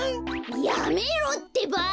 やめろってば！